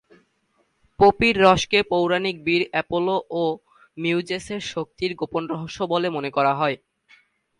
পপির রসকে পৌরাণিক বীর অ্যাপোলো ও মিউজেসের শক্তির গোপন রহস্য বলে মনে করা হয়।